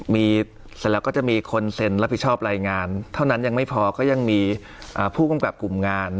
เสร็จแล้วก็จะมีคนเซ็นรับผิดชอบรายงานเท่านั้นยังไม่พอก็ยังมีผู้กำกับกลุ่มงาน